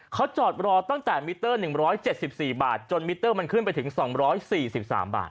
เขาจอดรอตั้งแต่มิเตอร์๑๗๔บาทจนมิเตอร์มันขึ้นไปถึง๒๔๓บาท